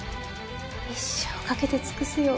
「一生かけて尽くすよ。